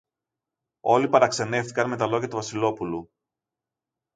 Όλοι παραξενεύθηκαν με τα λόγια του Βασιλόπουλου.